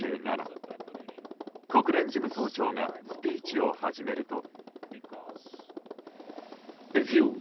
国連事務総長がスピーチを始めると。